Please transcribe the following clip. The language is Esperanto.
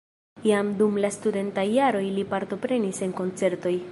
Jam dum la studentaj jaroj li partoprenis en koncertoj.